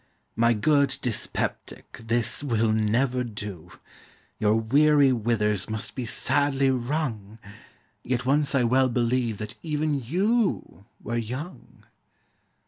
My good dyspeptic, this will never do; Your weary withers must be sadly wrung! Yet once I well believe that even you Were young.